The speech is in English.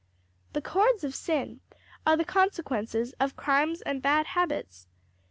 "The cords of sin are the consequences of crimes and bad habits.